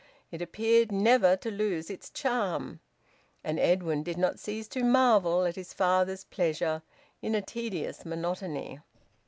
It appeared never to lose its charm. And Edwin did not cease to marvel at his father's pleasure in a tedious monotony.